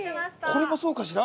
◆これもそうかしら？